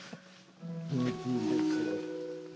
気持ちいいです。